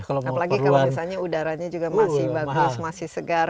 apalagi kalau misalnya udaranya juga masih bagus masih segar